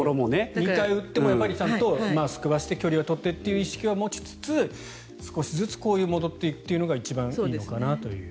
２回打ってもやっぱりちゃんとマスクをして距離は取ってという感覚は持ちつつ少しずつ戻っていくというのが一番いいのかなと。